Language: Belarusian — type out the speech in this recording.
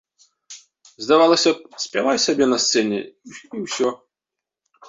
Здавалася б, спявай сабе на сцэне, і ўсё.